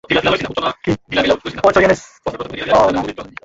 বুঝতে পেরেছি, বুঝতে পেরেছি।